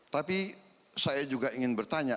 tapi saya juga ingin bertanya